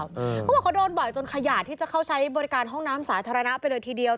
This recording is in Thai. เขาบอกเขาโดนบ่อยจนขยาดที่จะเข้าใช้บริการห้องน้ำสาธารณะไปเลยทีเดียว